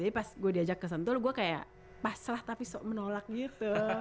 jadi pas gue diajak ke sentul gue kayak pasrah tapi sok menolak gitu